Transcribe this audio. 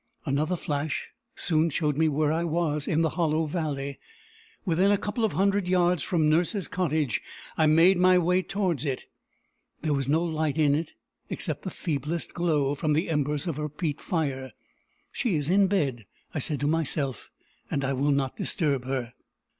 Another flash soon showed me where I was in the hollow valley, within a couple of hundred yards from nurse's cottage. I made my way towards it. There was no light in it, except the feeblest glow from the embers of her peat fire. "She is in bed," I said to myself, "and I will not disturb her."